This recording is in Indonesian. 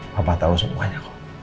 papa tahu semuanya